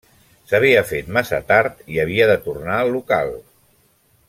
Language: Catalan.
S’havia fet massa tard i havia de tornar al local.